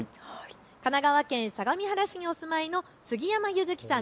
神奈川県相模原市にお住まいのすぎやまゆずきさん